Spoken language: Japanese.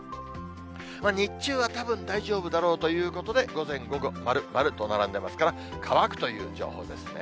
日中はたぶん大丈夫だろうということで、午前、午後、丸、丸と並んでますから、乾くという情報ですね。